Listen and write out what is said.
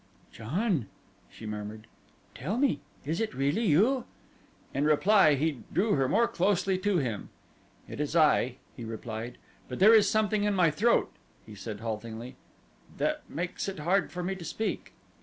"John," she murmured, "tell me, is it really you?" In reply he drew her more closely to him. "It is I," he replied. "But there is something in my throat," he said haltingly, "that makes it hard for me to speak."